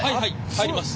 入ります。